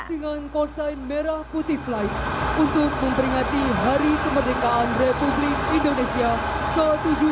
dengan kosain merah putih flight untuk memperingati hari kemerdekaan republik indonesia ke tujuh puluh tujuh